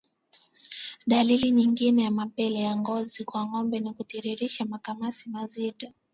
Dalili nyingine ya mapele ya ngozi kwa ngombe ni kutiririsha makamasi mazito